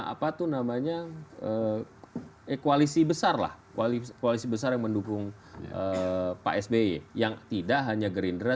apa tuh namanya eh koalisi besar lah wali polisi besar mendukung pak sby yang tidak hanya gerindra